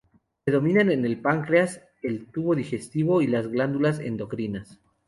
Predominan en el páncreas, el tubo digestivo y las glándulas endocrinas.